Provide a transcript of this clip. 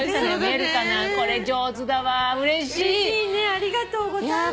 ありがとうございます。